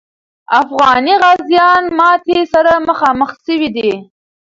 افغاني غازیان ماتي سره مخامخ سوي دي.